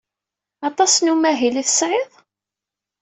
Aṭas n umahil ay tesɛid?